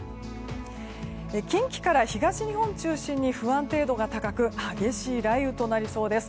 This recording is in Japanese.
近畿から東日本を中心に不安定度が高く激しい雷雨となりそうです。